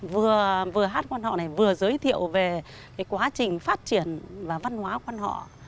vừa hát quan họ này vừa giới thiệu về quá trình phát triển và văn hóa quan họ